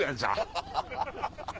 ハハハハ！